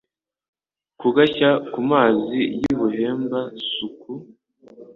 Kugashya ku mazi y' i Buhemba-suku*,